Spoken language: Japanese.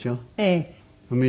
ええ。